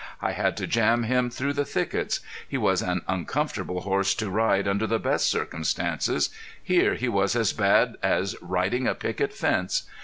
I had to jam him through the thickets. He was an uncomfortable horse to ride under the best circumstances; here he was as bad as riding a picket fence.